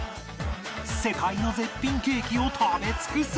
世界の絶品ケーキを食べ尽くす！